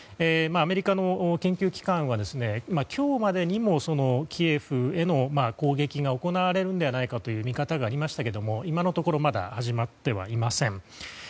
アメリカの研究機関は今日までにもキエフへの攻撃が行われるのではないかという見方がありましたが、今のところまだ始まってはいません。